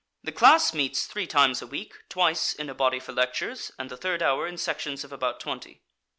The class meets three times a week, twice in a body for lectures, and the third hour in sections of about twenty.